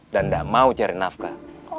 dan gak mau cari nafkah